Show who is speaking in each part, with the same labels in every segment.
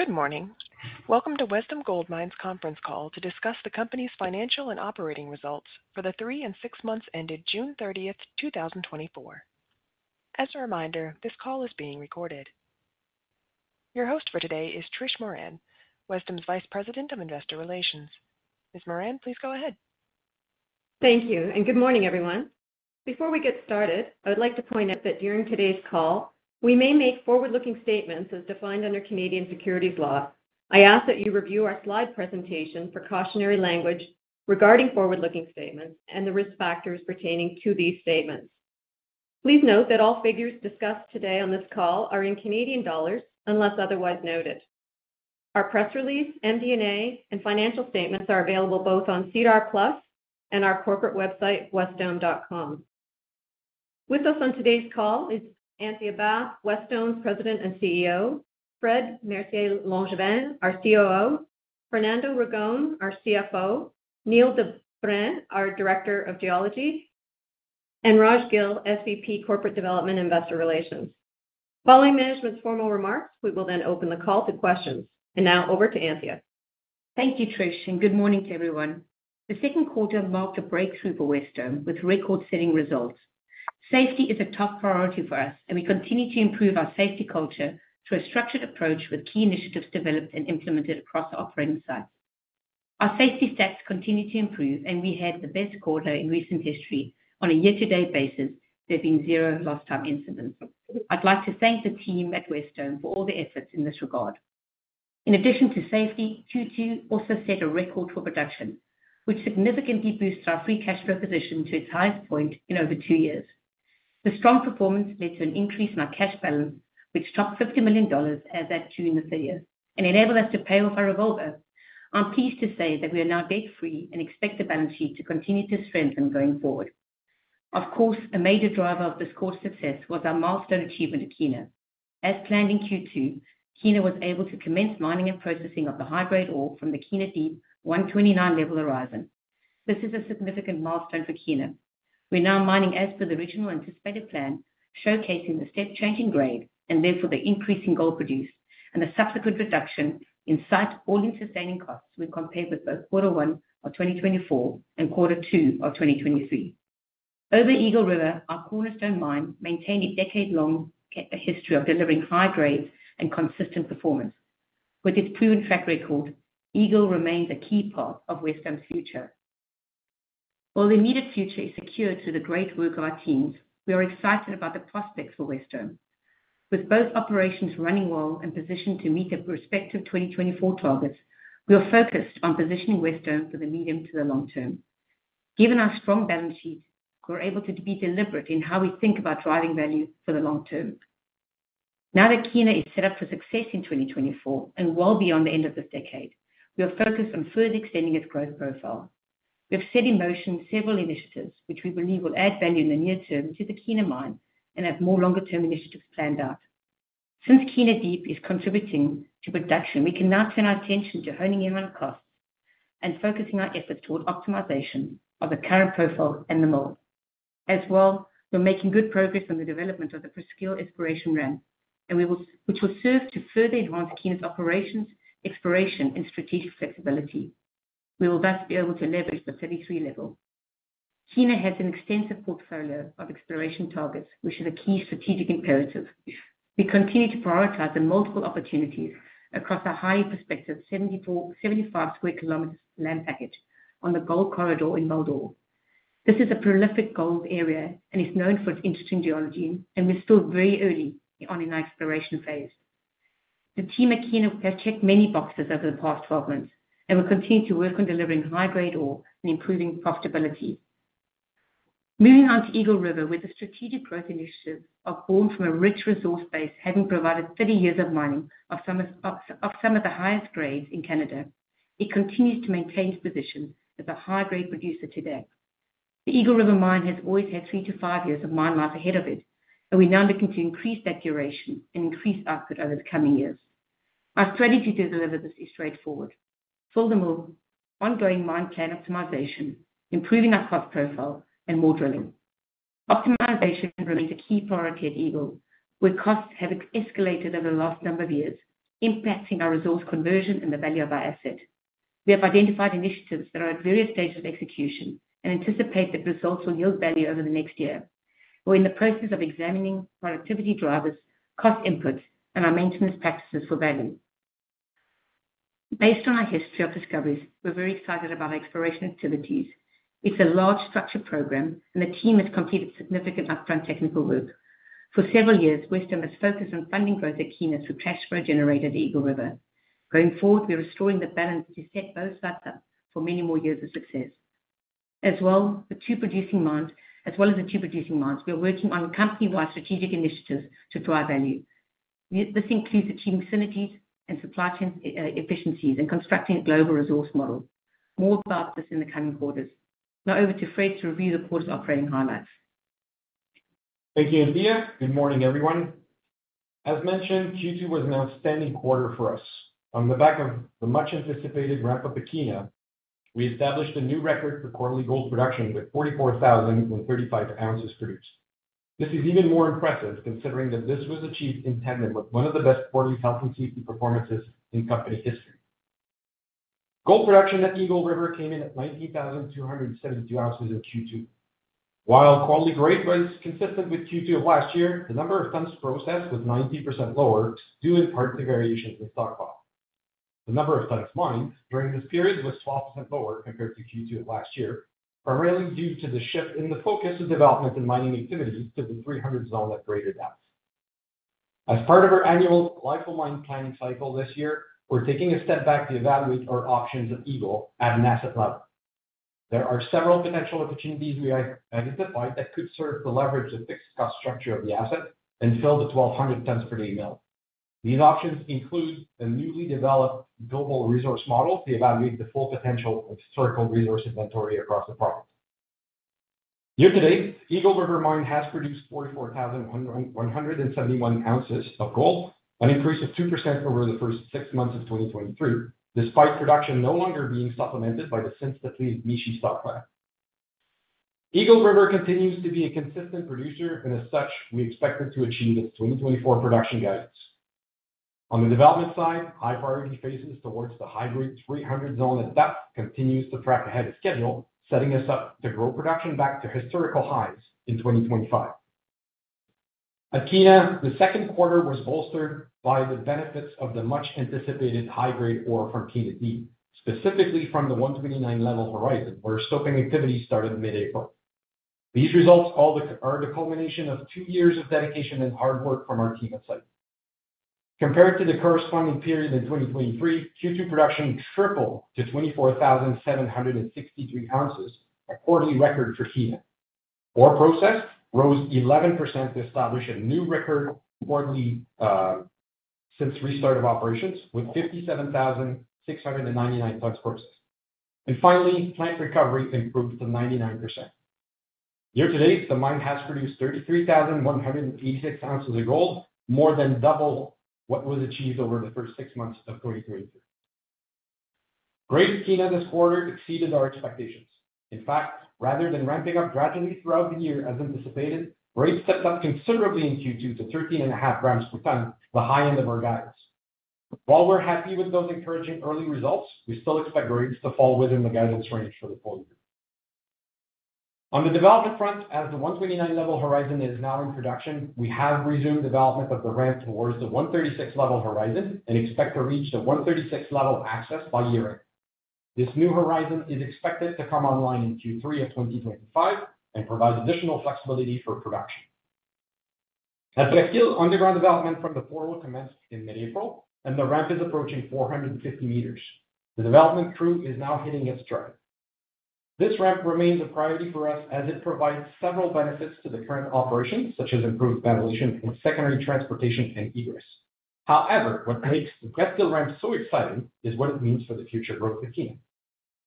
Speaker 1: Good morning! Welcome to Wesdome Gold Mines conference call to discuss the company's financial and operating results for the three and six months ended June 30, 2024. As a reminder, this call is being recorded. Your host for today is Trish Moran, Wesdome's Vice President, Investor Relations. Ms. Moran, please go ahead.
Speaker 2: Thank you, and good morning, everyone. Before we get started, I would like to point out that during today's call, we may make forward-looking statements as defined under Canadian securities law. I ask that you review our slide presentation for cautionary language regarding forward-looking statements and the risk factors pertaining to these statements. Please note that all figures discussed today on this call are in Canadian dollars, unless otherwise noted. Our press release, MD&A, and financial statements are available both on SEDAR+ and our corporate website, wesdome.com. With us on today's call is Anthea Bath, Wesdome's President and CEO, Fred Mercier-Langevin, our COO, Fernando Ragone, our CFO, Michael Michaud, our Vice President, Exploration, and Raj Gill, SVP, Corporate Development, Investor Relations. Following management's formal remarks, we will then open the call to questions. Now over to Anthea.
Speaker 3: Thank you, Trish, and good morning to everyone. The second quarter marked a breakthrough for Wesdome with record-setting results. Safety is a top priority for us, and we continue to improve our safety culture through a structured approach with key initiatives developed and implemented across our operating sites. Our safety stats continue to improve, and we had the best quarter in recent history on a year-to-date basis. There have been zero lost time incidents. I'd like to thank the team at Wesdome for all the efforts in this regard. In addition to safety, Q2 also set a record for production, which significantly boosted our free cash flow position to its highest point in over two years. The strong performance led to an increase in our cash balance, which topped 50 million dollars as at June this year, and enabled us to pay off our revolver. I'm pleased to say that we are now debt-free and expect the balance sheet to continue to strengthen going forward. Of course, a major driver of this quarter's success was our milestone achievement at Kiena. As planned in Q2, Kiena was able to commence mining and processing of the high-grade ore from the Kiena Deep 129 level horizon. This is a significant milestone for Kiena. We're now mining as per the original anticipated plan, showcasing the step change in grade and therefore the increase in gold produced, and the subsequent reduction in site all-in sustaining costs when compared with both Q1 2024 and Q2 2023. Over at Eagle River, our cornerstone mine, maintained a decade-long history of delivering high grades and consistent performance. With its proven track record, Eagle remains a key part of Wesdome's future. While the immediate future is secure through the great work of our teams, we are excited about the prospects for Wesdome. With both operations running well and positioned to meet their respective 2024 targets, we are focused on positioning Wesdome for the medium to the long term. Given our strong balance sheet, we're able to be deliberate in how we think about driving value for the long term. Now that Kiena is set up for success in 2024 and well beyond the end of this decade, we are focused on further extending its growth profile. We have set in motion several initiatives, which we believe will add value in the near term to the Kiena Mine and have more longer-term initiatives planned out. Since Kiena Deep is contributing to production, we can now turn our attention to honing in on costs and focusing our efforts toward optimization of the current profile and the mill. As well, we're making good progress on the development of the Presqu'ile exploration ramp, and we will, which will serve to further advance Kiena's operations, exploration, and strategic flexibility. We will thus be able to leverage the 33 level. Kiena has an extensive portfolio of exploration targets, which is a key strategic imperative. We continue to prioritize the multiple opportunities across a highly prospective 74-75 sq km land package on the gold corridor in Val-d'Or. This is a prolific gold area and is known for its interesting geology, and we're still very early on in our exploration phase. The team at Kiena have checked many boxes over the past 12 months and will continue to work on delivering high-grade ore and improving profitability. Moving on to Eagle River, where the strategic growth initiatives are born from a rich resource base, having provided 30 years of mining of some of the highest grades in Canada, it continues to maintain its position as a high-grade producer today. The Eagle River Mine has always had 3-5 years of mine life ahead of it, and we now looking to increase that duration and increase output over the coming years. Our strategy to deliver this is straightforward: fill the move, ongoing mine plan optimization, improving our cost profile, and more drilling. Optimization remains a key priority at Eagle, where costs have escalated over the last number of years, impacting our resource conversion and the value of our asset. We have identified initiatives that are at various stages of execution and anticipate that results will yield value over the next year. We're in the process of examining productivity drivers, cost inputs, and our maintenance practices for value. Based on our history of discoveries, we're very excited about our exploration activities. It's a large structure program, and the team has completed significant upfront technical work. For several years, Wesdome has focused on funding growth at Kiena through cash flow generated at Eagle River. Going forward, we are restoring the balance to set both sites up for many more years of success. As well as the two producing mines, we are working on company-wide strategic initiatives to drive value. This includes achieving synergies and supply chain efficiencies, and constructing a global resource model. More about this in the coming quarters. Now over to Frédéric to review the quarter's operating highlights.
Speaker 4: Thank you, Anthea. Good morning, everyone. As mentioned, Q2 was an outstanding quarter for us. On the back of the much-anticipated ramp-up at Kiena, we established a new record for quarterly gold production, with 44,035 ounces produced. This is even more impressive considering that this was achieved in tandem with one of the best quarterly health and safety performances in company history. Gold production at Eagle River came in at 19,272 ounces in Q2. While quarterly grade was consistent with Q2 of last year, the number of tons processed was 19% lower, due in part to variations in stockpile. The number of tons mined during this period was 12% lower compared to Q2 of last year, primarily due to the shift in the focus of development and mining activities to the 300 Zone at greater depth. As part of our annual life-of-mine planning cycle this year, we're taking a step back to evaluate our options at Eagle at an asset level. There are several potential opportunities we have identified that could serve to leverage the fixed cost structure of the asset and fill the 1,200 tons per day mill. These options include a newly developed global resource model to evaluate the full potential of historical resource inventory across the product. Year to date, Eagle River Mine has produced 44,171 ounces of gold, an increase of 2% over the first six months of 2023, despite production no longer being supplemented by the since depleted Mishi stockpile. Eagle River continues to be a consistent producer, and as such, we expect it to achieve its 2024 production guidance. On the development side, high priority phases towards the high-grade 300 Zone at depth continues to track ahead of schedule, setting us up to grow production back to historical highs in 2025. At Kiena, the second quarter was bolstered by the benefits of the much-anticipated high-grade ore from Kiena Deep, specifically from the 129 level horizon, where stoping activity started mid-April. These results are the culmination of two years of dedication and hard work from our team on site. Compared to the corresponding period in 2023, Q2 production tripled to 24,763 ounces, a quarterly record for Kiena. Ore processed rose 11% to establish a new record quarterly since restart of operations, with 57,699 tons processed. Finally, plant recovery improved to 99%. Year to date, the mine has produced 33,186 ounces of gold, more than double what was achieved over the first six months of 2023. Grade at Kiena this quarter exceeded our expectations. In fact, rather than ramping up gradually throughout the year as anticipated, grades stepped up considerably in Q2 to 13.5 grams per ton, the high end of our guidance. While we're happy with those encouraging early results, we still expect grades to fall within the guidance range for the full year. On the development front, as the 129 level horizon is now in production, we have resumed development of the ramp towards the 136 level horizon and expect to reach the 136 level access by year-end. This new horizon is expected to come online in Q3 of 2025 and provide additional flexibility for production. At Presqu'ile, underground development from the portal commenced in mid-April, and the ramp is approaching 450 meters. The development crew is now hitting its stride. This ramp remains a priority for us as it provides several benefits to the current operations, such as improved ventilation for secondary transportation and egress. However, what makes the Presqu'ile ramp so exciting is what it means for the future growth of Kiena.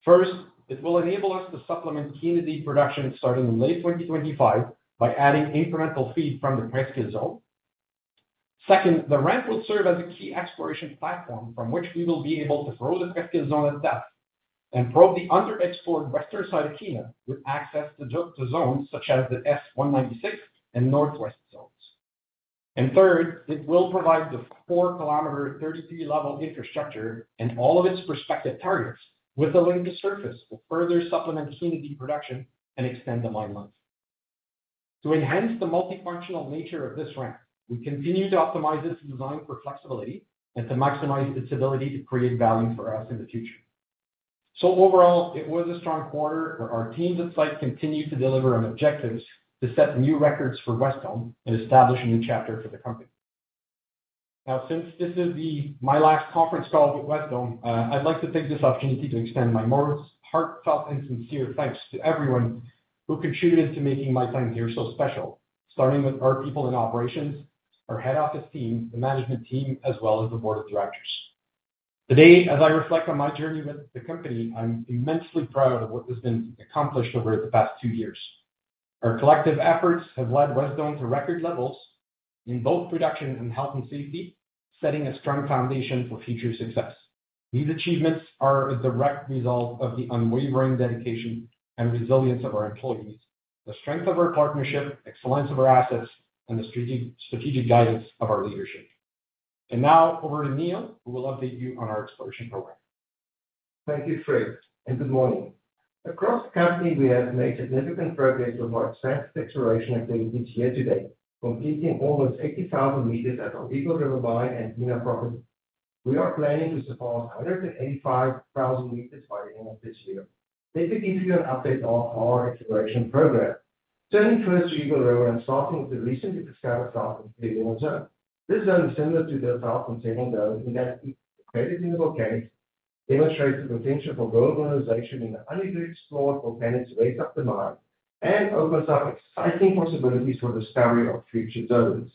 Speaker 4: First, it will enable us to supplement Kiena Deep production starting in late 2025 by adding incremental feed from the Presqu'ile zone. Second, the ramp will serve as a key exploration platform from which we will be able to drill the Presqu'ile zone at depth and probe the underexplored western side of Kiena with access to zones such as the Shawkey and northwest zones. And third, it will provide the 4-kilometer, 33-level infrastructure and all of its prospective targets with a link to surface to further supplement Kiena Deep production and extend the mine life. To enhance the multifunctional nature of this ramp, we continue to optimize its design for flexibility and to maximize its ability to create value for us in the future. So overall, it was a strong quarter, where our teams at site continued to deliver on objectives to set new records for Wesdome and establish a new chapter for the company. Now, since this is my last conference call with Wesdome, I'd like to take this opportunity to extend my most heartfelt and sincere thanks to everyone who contributed to making my time here so special. Starting with our people in operations, our head office team, the management team, as well as the board of directors. Today, as I reflect on my journey with the company, I'm immensely proud of what has been accomplished over the past two years. Our collective efforts have led Wesdome to record levels in both production and health and safety, setting a strong foundation for future success. These achievements are a direct result of the unwavering dedication and resilience of our employees, the strength of our partnership, excellence of our assets, and the strategic guidance of our leadership. Now over to Michael Michaud, who will update you on our exploration program.
Speaker 5: Thank you, Frédéric, and good morning. Across the company, we have made significant progress with our expansion exploration activities year to date, completing almost 80,000 meters at our Eagle River Mine and Kiena property. We are planning to surpass 185,000 meters by the end of this year. Let me give you an update on our exploration program. Turning first to Eagle River and starting with the recently discovered Falcon 311 Zone. This zone is similar to the 7 Zone in that it is located in the volcanics, demonstrates the potential for gold mineralization in the underexplored volcanic waste of the mine, and opens up exciting possibilities for discovery of future zones.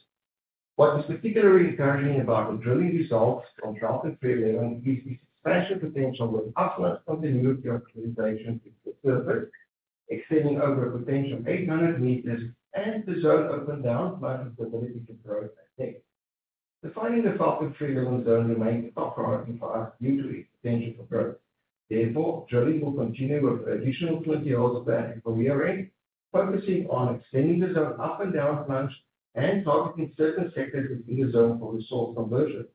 Speaker 5: What is particularly encouraging about the drilling results from Falcon 311 is the potential with upwards continuity of mineralization to the surface, extending over a potential 800 meters, and the zone open down plus the ability to grow at depth. Defining the Falcon 311 zone remains a top priority for us due to its potential for growth. Therefore, drilling will continue with additional 20 holes planned for year-end, focusing on extending the zone up and down plunge, and targeting certain sectors within the zone for resource conversion.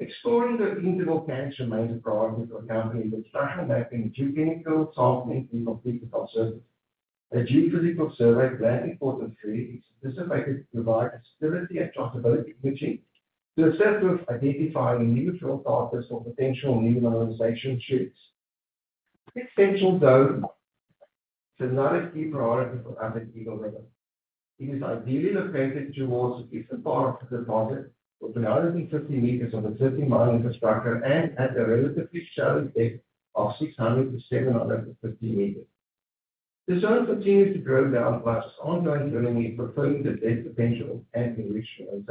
Speaker 5: Exploring the interval camps remains a priority for the company with title mapping, geochemical sampling, and geophysical surveys. A geophysical survey planned for quarter three is anticipated to provide visibility and traceability imaging to assist with identifying new drill targets or potential new mineralization shoots. The essential zone is another key priority for us at Eagle River. It is ideally located towards the eastern part of the deposit, with another 50 meters of existing mine infrastructure and at a relatively shallow depth of 600-750 meters. The zone continues to grow down plus ongoing drilling is confirming the depth potential and enrichment.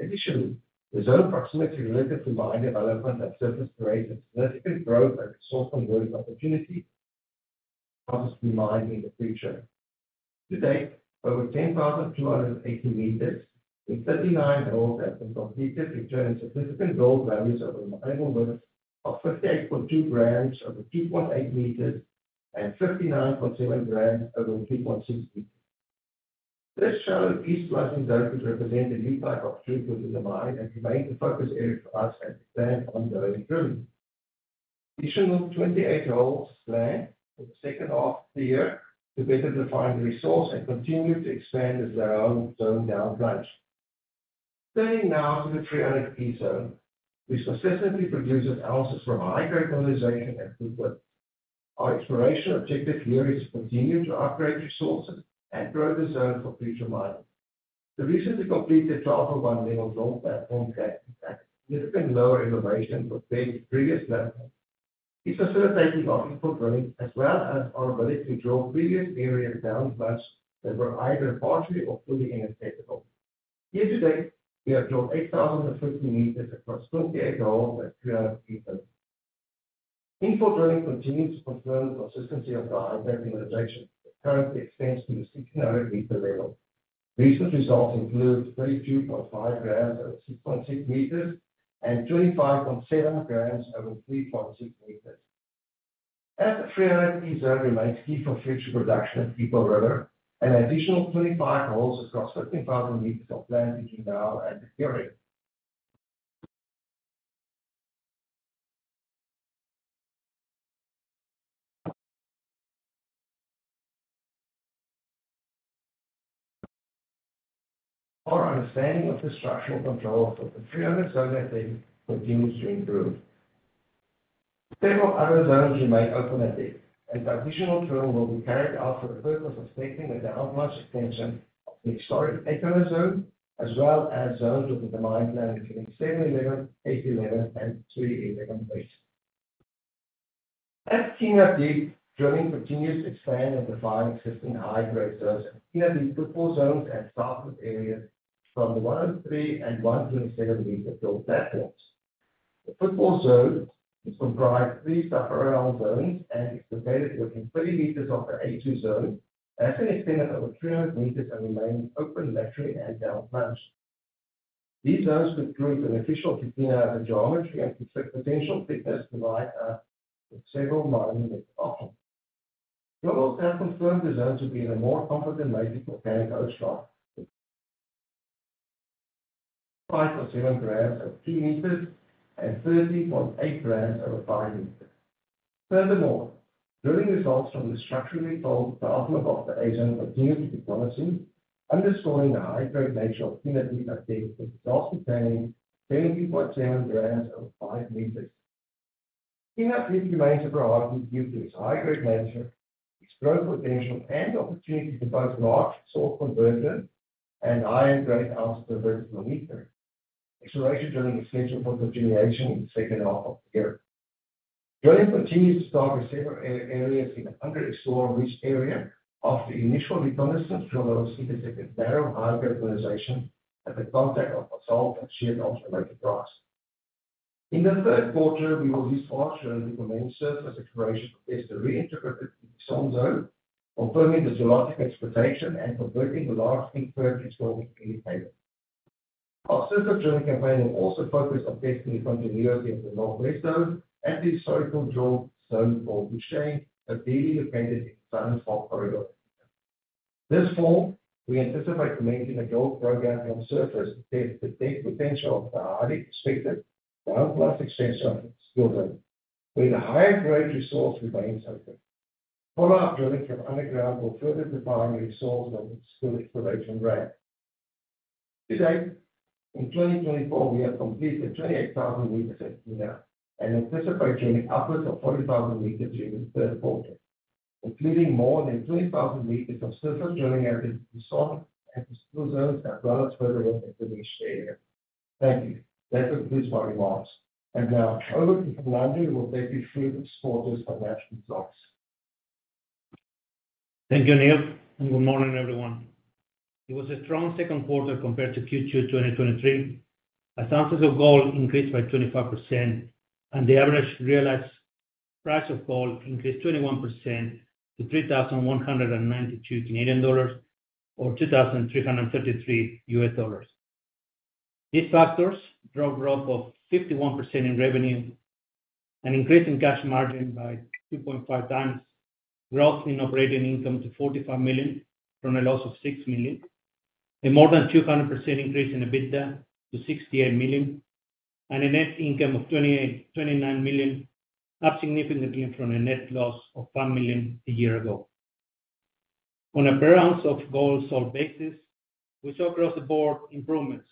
Speaker 5: Additionally, the zone proximity relative to mine development and surface creates a significant growth and source conversion opportunity for us to mine in the future. To date, over 10,280 meters with 39 holes that have been completed, returning significant gold values over an interval width of 58.2 grams over 2.8 meters and 59.7 grams over 3.6 meters. This shows East Rising Zone could represent a new type of shoot within the mine and remains a focus area for us and planned ongoing drilling. Additional 28 holes planned for the second half of the year to better define the resource and continue to expand the Zone down plunge. Turning now to the 300 Key Zone, which consistently produces ounces from high-grade mineralization and footwall. Our exploration objective here is to continue to upgrade resources and grow the Zone for future mining. The recently completed 1,001 level drill platform at significantly lower elevation compared to previous levels, is facilitating our infill drilling, as well as our ability to drill previous areas down plunge that were either partially or fully inaccessible. Year to date, we have drilled 8,050 meters across 28 holes at 300 Zone. Infill drilling continues to confirm the consistency of the high-grade mineralization that currently extends to the 600-meter level. Recent results include 32.5 grams over 6.6 meters and 25.7 grams over 3.6 meters. As the 300 East Zone remains key for future production at Eagle River Mine, an additional 25 holes across 15,000 meters are planned between now and December. Our understanding of the structural control of the 300 Zone at depth continues to improve. Several other zones remain open at depth, and additional drilling will be carried out for the purpose of testing the down-plunge extension of the historic 8 Zone, as well as zones within the mine plan, including 711, 811, and 311 West. At Kiena Deep, drilling continues to expand and define existing high-grade zones. Kiena Deep Footwall Zones and southwest areas from the 103- and 170-meter drill platforms. The Footwall Zone is comprised of three subparallel zones and is located within 30 meters of the A Zone and has been extended over 300 meters and remains open laterally and down plunge. These zones could prove an optimal Kiena geometry and potential thickness to mine several mining widths. Drilling has confirmed the zones will be in a more competent mafic volcanic host rock. 5.7 grams at 3 meters and 30.8 grams over 5 meters. Furthermore, drilling results from the structurally controlled bottom of the A Zone continuity, possibly underscoring the high-grade nature of Kiena Deep, with the depth containing 20.7 grams over 5 meters. Kiena Deep remains a priority due to its high-grade nature, its growth potential, and the opportunity to bolster large-scale converter and high-grade ounce per vertical meter. Exploration drilling is scheduled for continuation in the second half of the year. Drilling continues to target several areas in an underexplored rich area. After the initial reconnaissance drill, those indicated narrow, high-grade mineralization at the contact of basalt and shear zone-related rocks. In the third quarter, we will use large drilling to commence surface exploration to test the reinterpreted zone, confirming the geologic expectation and converting the large inferred historical inventory. Our surface drilling campaign will also focus on testing continuity of the Northwest Zone at the historical drilled Zone 8, a deeply dependent zone for corridor. This fall, we anticipate commencing a gold program on surface to test the depth potential of the highly expected down-plunge extension still, with a higher-grade resource remains open. Follow-up drilling from underground will further define the resource on its full exploration rate. Today, in 2024, we have completed 28,000 meters at Kiena and anticipate drilling upwards of 40,000 meters during the third quarter, including more than 20,000 meters of surface drilling at the zone and the Presqu'ile zones, as well as further into the area. Thank you. That concludes my remarks. And now over to Fernando Ragone, who will take you through the quarter's financial results.
Speaker 6: Thank you, Michael, and good morning, everyone. It was a strong second quarter compared to Q2 2023, as ounces of gold increased by 25% and the average realized-... price of gold increased 21% to 3,192 Canadian dollars, or $2,333. These factors drove growth of 51% in revenue, an increase in cash margin by 2.5 times, growth in operating income to 45 million from a loss of 6 million, a more than 200% increase in EBITDA to 68 million, and a net income of 28 million- 29 million, up significantly from a net loss of 1 million a year ago. On a per ounce of gold sold basis, we saw across-the-board improvements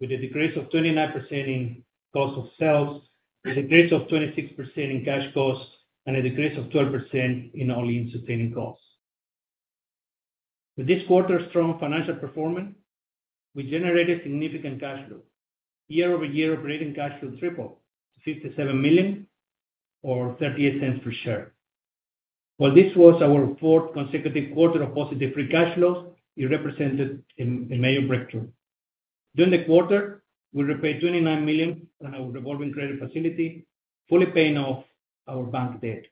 Speaker 6: with a decrease of 29% in cost of sales, a decrease of 26% in cash costs, and a decrease of 12% in all-in sustaining costs. With this quarter's strong financial performance, we generated significant cash flow. Year-over-year operating cash flow tripled to 57 million or 0.38 per share. While this was our fourth consecutive quarter of positive free cash flows, it represented a major breakthrough. During the quarter, we repaid 29 million on our revolving credit facility, fully paying off our bank debt.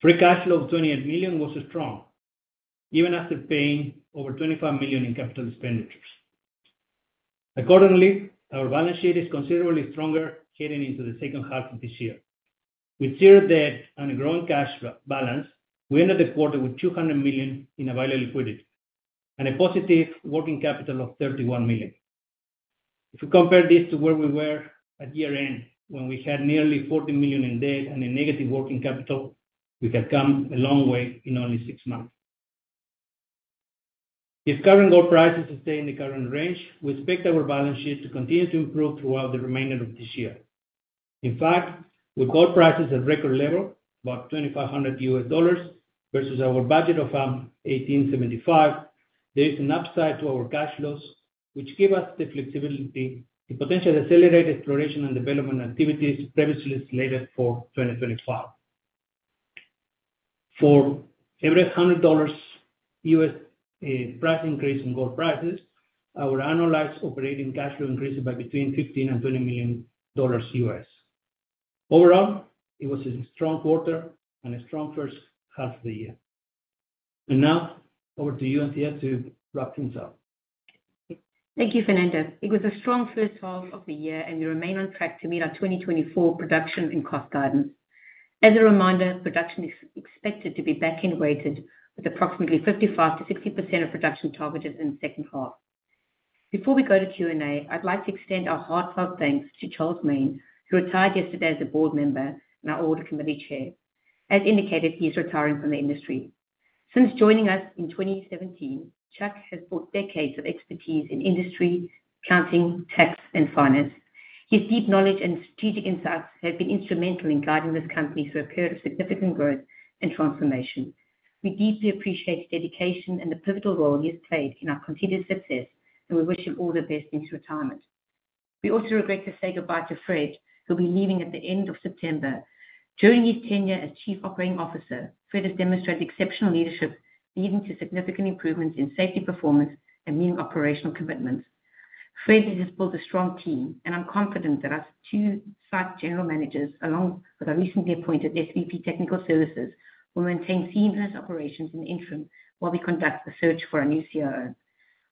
Speaker 6: Free cash flow of 28 million was strong, even after paying over 25 million in capital expenditures. Accordingly, our balance sheet is considerably stronger heading into the second half of this year. With zero debt and a growing cash balance, we ended the quarter with 200 million in available liquidity and a positive working capital of 31 million. If we compare this to where we were at year-end, when we had nearly 40 million in debt and a negative working capital, we have come a long way in only six months. If current gold prices stay in the current range, we expect our balance sheet to continue to improve throughout the remainder of this year. In fact, with gold prices at record level, about $2,500, versus our budget of $1,875, there is an upside to our cash flows, which give us the flexibility to potentially accelerate exploration and development activities previously slated for 2025. For every $100 price increase in gold prices, our annualized operating cash flow increases by between $15 million and $20 million. Overall, it was a strong quarter and a strong first half of the year. And now, over to you, Anthea, to wrap things up.
Speaker 3: Thank you, Fernando. It was a strong first half of the year, and we remain on track to meet our 2024 production and cost guidance. As a reminder, production is expected to be back-end weighted, with approximately 55%-60% of production targeted in the second half. Before we go to Q&A, I'd like to extend our heartfelt thanks to Charles Main, who retired yesterday as a board member and our audit committee chair. As indicated, he is retiring from the industry. Since joining us in 2017, Chuck has brought decades of expertise in industry, accounting, tax, and finance. His deep knowledge and strategic insights have been instrumental in guiding this company through a period of significant growth and transformation. We deeply appreciate his dedication and the pivotal role he has played in our continued success, and we wish him all the best in his retirement. We also regret to say goodbye to Fred, who'll be leaving at the end of September. During his tenure as Chief Operating Officer, Fred has demonstrated exceptional leadership, leading to significant improvements in safety, performance, and meeting operational commitments. Fred has just built a strong team, and I'm confident that our two site general managers, along with our recently appointed SVP Technical Services, will maintain seamless operations in the interim while we conduct the search for a new COO.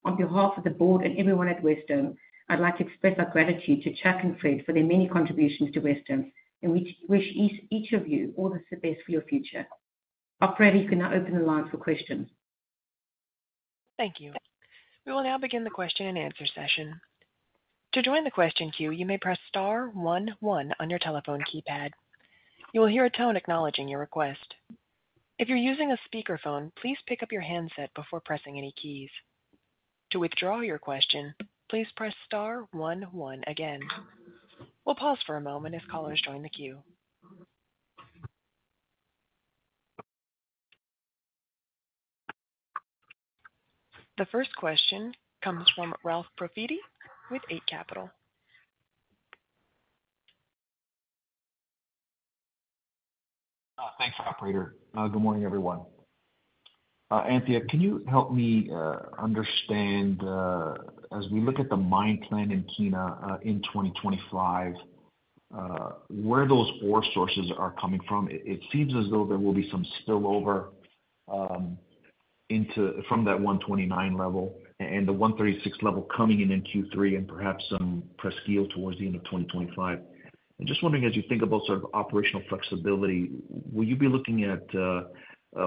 Speaker 3: On behalf of the board and everyone at Wesdome, I'd like to express our gratitude to Chuck and Fred for their many contributions to Wesdome, and we wish each, each of you all the best for your future. Operator, you can now open the line for questions.
Speaker 1: Thank you. We will now begin the question-and-answer session. To join the question queue, you may press star one one on your telephone keypad. You will hear a tone acknowledging your request. If you're using a speakerphone, please pick up your handset before pressing any keys. To withdraw your question, please press star one one again. We'll pause for a moment if callers join the queue. The first question comes from Ralph Profiti with Eight Capital.
Speaker 7: Thanks, operator. Good morning, everyone. Anthea, can you help me understand as we look at the mine plan in Kiena in 2025 where those ore sources are coming from? It seems as though there will be some spillover from that 129 level and the 136 level coming in in Q3 and perhaps some Presqu'ile towards the end of 2025. I'm just wondering, as you think about sort of operational flexibility, will you be looking at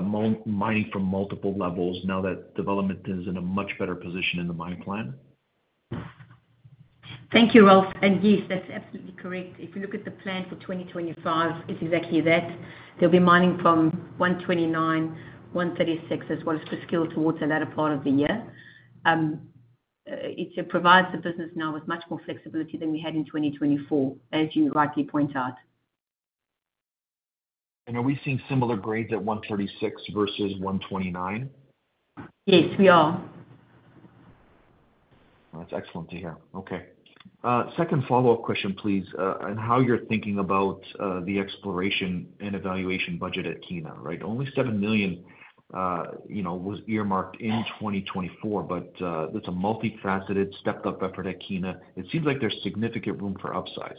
Speaker 7: mining from multiple levels now that development is in a much better position in the mine plan?
Speaker 3: Thank you, Ralph. Yes, that's absolutely correct. If you look at the plan for 2025, it's exactly that. There'll be mining from 129, 136, as well as Presqu'ile towards the latter part of the year. It provides the business now with much more flexibility than we had in 2024, as you rightly point out.
Speaker 7: Are we seeing similar grades at 136 versus 129?
Speaker 3: Yes, we are.
Speaker 7: That's excellent to hear. Okay. Second follow-up question, please, on how you're thinking about, the exploration and evaluation budget at Kiena, right? Only 7 million, you know, was earmarked in 2024, but, that's a multifaceted, stepped-up effort at Kiena. It seems like there's significant room for upsize.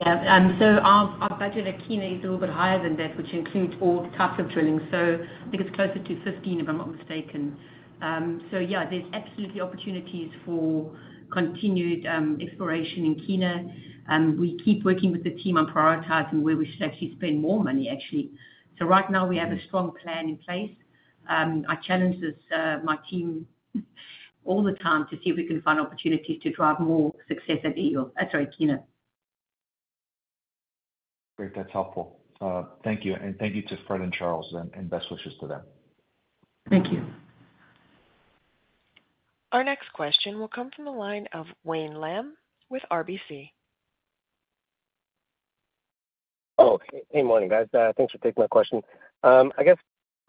Speaker 3: Yeah, so our budget at Kiena is a little bit higher than that, which includes all types of drilling. So I think it's closer to 15, if I'm not mistaken. So yeah, there's absolutely opportunities for continued exploration in Kiena, and we keep working with the team on prioritizing where we should actually spend more money, actually. So right now, we have a strong plan in place. I challenge my team all the time to see if we can find opportunities to drive more success at Eagle, sorry, Kiena.
Speaker 7: Great, that's helpful. Thank you, and thank you to Fred and Charles, and best wishes to them.
Speaker 3: Thank you.
Speaker 1: Our next question will come from the line of Wayne Lam with RBC.
Speaker 8: Oh, hey, good morning, guys. Thanks for taking my question. I guess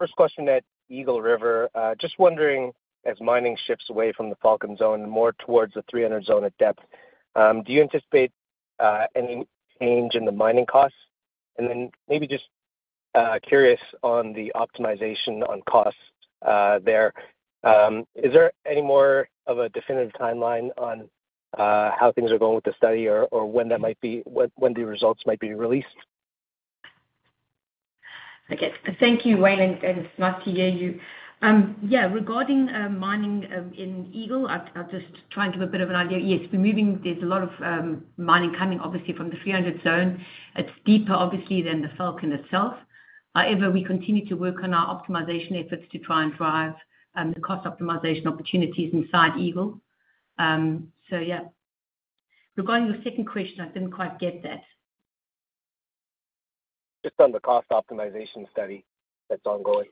Speaker 8: first question at Eagle River. Just wondering, as mining shifts away from the Falcon Zone and more towards the 300 Zone at depth, do you anticipate any change in the mining costs? And then maybe just curious on the optimization on costs there. Is there any more of a definitive timeline on how things are going with the study or when that might be, when the results might be released?
Speaker 3: Okay. Thank you, Wayne, and it's nice to hear you. Yeah, regarding mining in Eagle, I'll just try and give a bit of an idea. Yes, we're moving—there's a lot of mining coming obviously from the 300 zone. It's deeper, obviously, than the Falcon itself. However, we continue to work on our optimization efforts to try and drive the cost optimization opportunities inside Eagle. So yeah. Regarding the second question, I didn't quite get that.
Speaker 8: Just on the cost optimization study that's ongoing.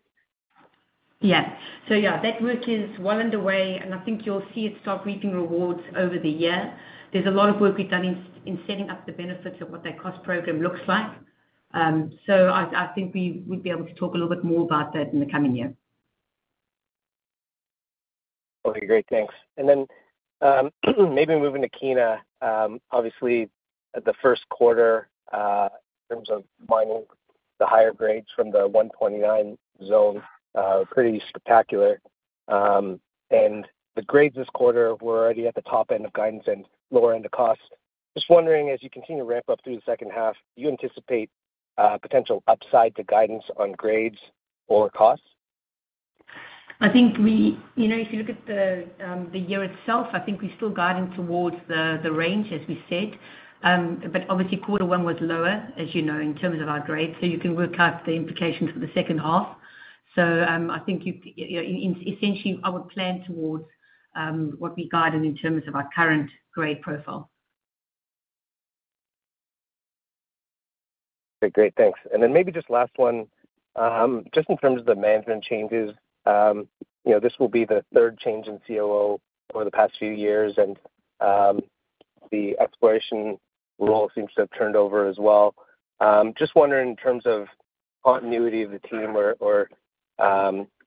Speaker 3: Yeah. So yeah, that work is well underway, and I think you'll see it start reaping rewards over the year. There's a lot of work we've done in setting up the benefits of what that cost program looks like. So I think we'd be able to talk a little bit more about that in the coming year.
Speaker 8: Okay, great. Thanks. And then, maybe moving to Kiena. Obviously, at the first quarter, in terms of mining, the higher grades from the 129 zone, pretty spectacular. And the grades this quarter were already at the top end of guidance and lower end of costs. Just wondering, as you continue to ramp up through the second half, do you anticipate, potential upside to guidance on grades or costs?
Speaker 3: I think we, you know, if you look at the year itself, I think we're still guiding towards the range, as we said. Obviously, quarter one was lower, as you know, in terms of our grades, so you can work out the implications for the second half. I think you essentially, I would plan towards what we guided in terms of our current grade profile.
Speaker 8: Okay, great. Thanks. And then maybe just last one. Just in terms of the management changes, you know, this will be the third change in COO over the past few years, and the exploration role seems to have turned over as well. Just wondering, in terms of continuity of the team or, or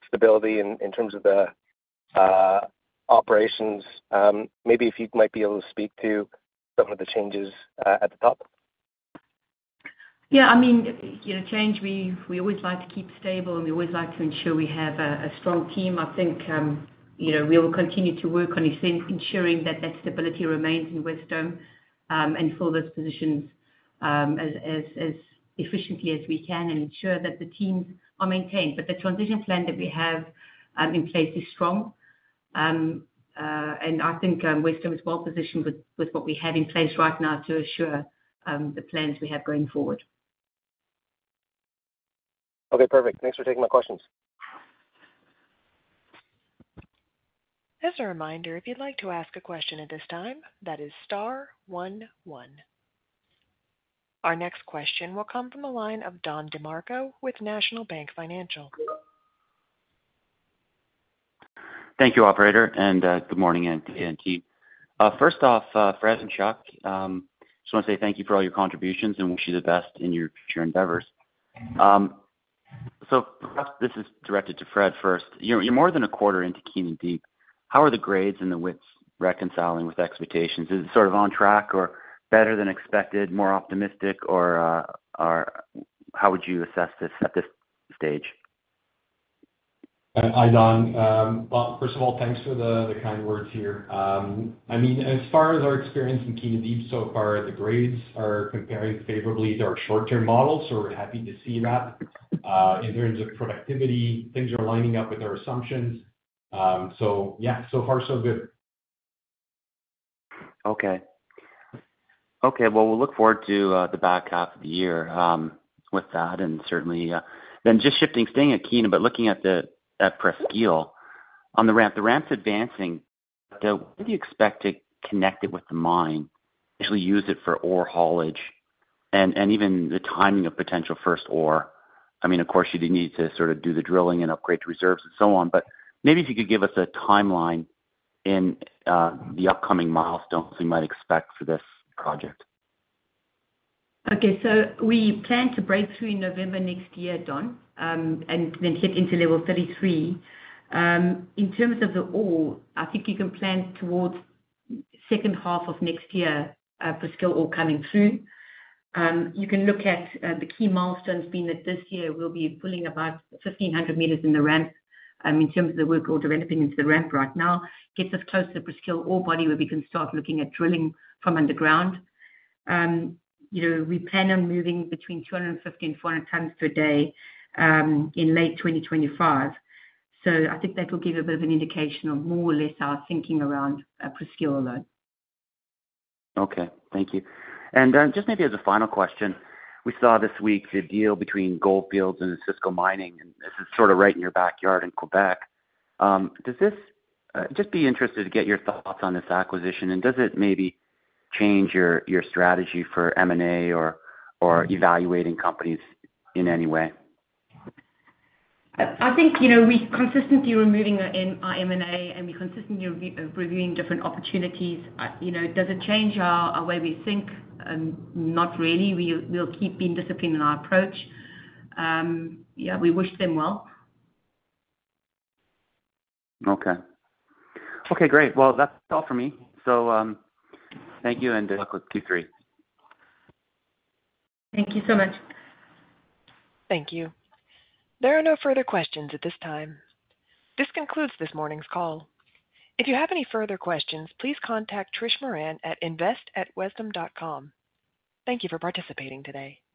Speaker 8: stability in terms of the operations, maybe if you might be able to speak to some of the changes at the top.
Speaker 3: Yeah, I mean, you know, change. We always like to keep stable, and we always like to ensure we have a strong team. I think, you know, we will continue to work on ensuring that that stability remains in Wesdome, and fill those positions, as efficiently as we can and ensure that the teams are maintained. But the transition plan that we have in place is strong. And I think, Wesdome is well positioned with what we have in place right now to assure the plans we have going forward.
Speaker 8: Okay, perfect. Thanks for taking my questions.
Speaker 1: As a reminder, if you'd like to ask a question at this time, that is star one one. Our next question will come from the line of Don DeMarco with National Bank Financial.
Speaker 9: Thank you, operator, and good morning, NT. First off, Fred and Chuck, just want to say thank you for all your contributions and wish you the best in your future endeavors. So perhaps this is directed to Fred first. You're more than a quarter into Kiena Deep. How are the grades and the widths reconciling with expectations? Is it sort of on track or better than expected, more optimistic, or, or how would you assess this at this stage?
Speaker 4: Hi, Don. Well, first of all, thanks for the kind words here. I mean, as far as our experience in Kiena Deep so far, the grades are comparing favorably to our short-term models, so we're happy to see that. In terms of productivity, things are lining up with our assumptions. So yeah, so far, so good.
Speaker 9: Okay. Okay, well, we'll look forward to the back half of the year with that and certainly... Then just shifting, staying at Kiena, but looking at the, at Presqu'ile. On the ramp, the ramp's advancing, so when do you expect to connect it with the mine, actually use it for ore haulage and even the timing of potential first ore? I mean, of course, you need to sort of do the drilling and upgrade to reserves and so on, but maybe if you could give us a timeline in the upcoming milestones we might expect for this project.
Speaker 3: Okay. So we plan to break through in November next year, Don, and then hit into level 33. In terms of the ore, I think you can plan towards second half of next year, Presqu'ile ore coming through. You can look at, the key milestones being that this year we'll be pulling about 1,500 meters in the ramp, in terms of the work we're developing into the ramp right now. Gets us closer to Presqu'ile ore body, where we can start looking at drilling from underground. You know, we plan on moving between 250 tons and 400 tons per day, in late 2025. So I think that will give you a bit of an indication of more or less our thinking around, Presqu'ile ore.
Speaker 9: Okay, thank you. Just maybe as a final question, we saw this week the deal between Gold Fields and Osisko Mining, and this is sort of right in your backyard in Quebec. I'm just interested to get your thoughts on this acquisition, and does it maybe change your, your strategy for M&A or, or evaluating companies in any way?
Speaker 3: I think, you know, we're consistently removing our M&A, and we're consistently reviewing different opportunities. You know, does it change our way we think? Not really. We'll keep being disciplined in our approach. Yeah, we wish them well.
Speaker 9: Okay. Okay, great. Well, that's all for me. So, thank you, and good luck with Q3.
Speaker 3: Thank you so much.
Speaker 1: Thank you. There are no further questions at this time. This concludes this morning's call. If you have any further questions, please contact Trish Moran at invest@wesdome.com. Thank you for participating today.